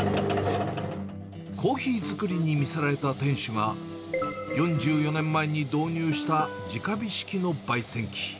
コーヒー作りに魅せられた店主が、４４年前に導入した、じか火式のばい煎機。